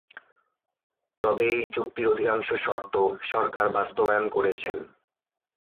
তবে এই চুক্তির অধিকাংশ শর্ত সরকার বাস্তবায়ন করেছেন।